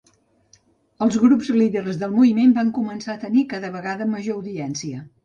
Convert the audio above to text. Els grups líders del moviment van començar a tenir cada vegada major audiència.